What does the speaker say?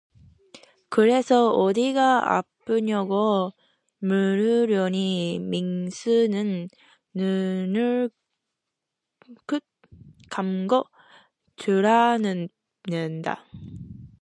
그래서 어디가 아프냐고 물으려니 민수는 눈을 꾹 감고 돌아눕는다.